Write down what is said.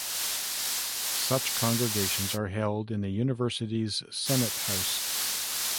Such Congregations are held in the University's Senate House.